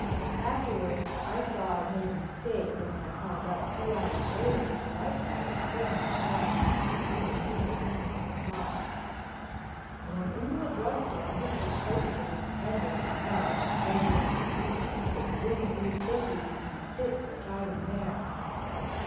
Afterward I saw I'd made a mistake, for, when I called up two hours later that polite guy was still on the job and handed me the same line of talk. I went into a drugstore and looked up Cokesbury—Edward L., residence. It was in the East Fifties and at six I tried him there.